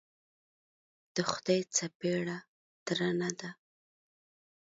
د خدای څپېړه درنه ده.